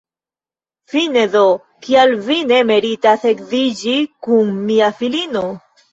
Fine do, kial vi ne meritas edziĝi kun mia filino?